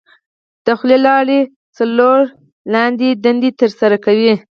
د خولې لاړې څلور لاندې دندې تر سره کوي.